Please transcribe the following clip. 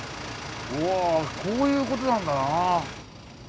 うわこういうことなんだな。